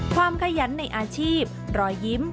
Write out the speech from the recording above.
ขยันในอาชีพรอยยิ้ม